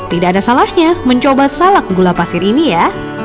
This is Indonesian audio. tidak ada salahnya mencoba salak gula pasir ini ya